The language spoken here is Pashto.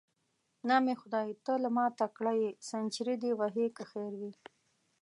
نام خدای، ته له ما تکړه یې، سنچري دې وهې که خیر وي.